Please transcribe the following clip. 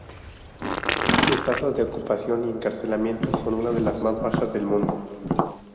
Sus tasas de ocupación y encarcelamiento son unas de las más bajas del mundo.